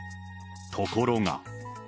ところが。